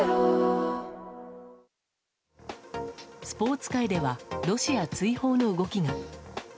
スポーツ界ではロシア追放の動きが。